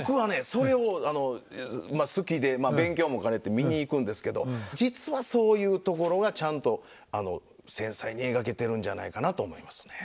それを好きでまあ勉強も兼ねて見に行くんですけど実はそういうところがちゃんと繊細に描けてるんじゃないかなと思いますね。